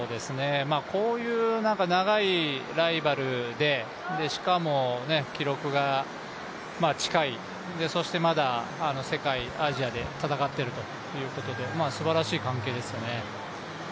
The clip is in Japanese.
こういう長いライバルでしかも記録が近い、そしてまだ世界、アジアで戦ってるということですばらしい関係ですよね。